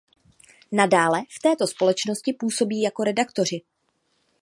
Nadále v této společnosti působí jako redaktoři.